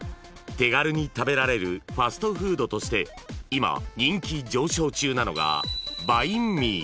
［手軽に食べられるファストフードとして今人気上昇中なのが］